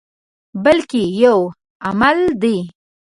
بلکې یو عمل دی.